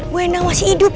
bu endang masih hidup